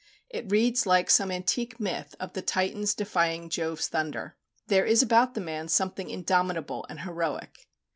It reads like some antique myth of the Titans defying Jove's thunder. There is about the man something indomitable and heroic.